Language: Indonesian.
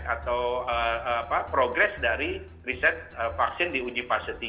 atau progres dari riset vaksin di uji fase tiga